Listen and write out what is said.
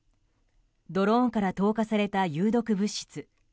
ドローンから投下された有毒物質。